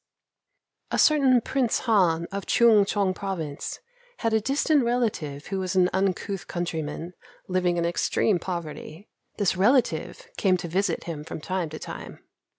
] A certain Prince Han of Choong chong Province had a distant relative who was an uncouth countryman living in extreme poverty. This relative came to visit him from time to time.